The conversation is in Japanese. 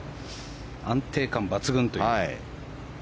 安定感抜群という。